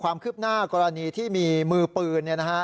ความคืบหน้ากรณีที่มีมือปืน